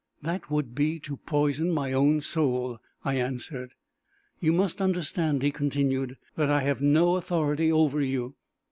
"That would be to poison my own soul!" I answered. "You must understand," he continued, "that I have no authority over you.